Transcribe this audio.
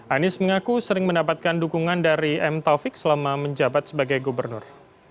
anies mengaku sering mendapatkan dukungan dari m taufik selama menjabat sebagai gubernur